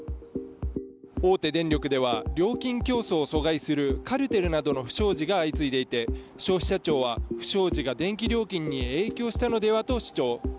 大手電力では料金競争を阻害するカルテルなどの不祥事が相次いでいて、消費者庁は不祥事が電気料金に影響したのではと主張。